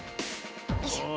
よいしょ。